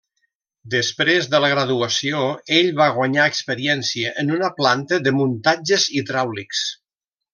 Després de la graduació ell va guanyar experiència en una planta de muntatges hidràulics.